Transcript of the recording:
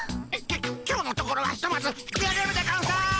今日のところはひとまず引きあげるでゴンス。